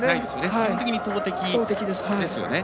基本的に投てきですよね。